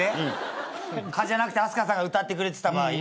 蚊じゃなくてＡＳＫＡさんが歌ってくれてた場合？